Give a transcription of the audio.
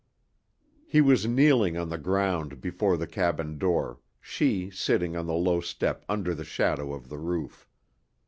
He was kneeling on the ground before the cabin door, she sitting on the low step under the shadow of the roof.